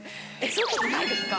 そういうことないですか？